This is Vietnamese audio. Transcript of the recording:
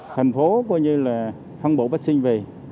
thành phố có như là thân bổ vaccine về